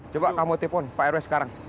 coba kamu telpon pak rw sekarang